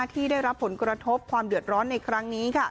ที่ได้รับผลกระทบความเดือดร้อนในครั้งนี้